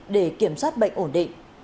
để kiểm soát bệnh ổn định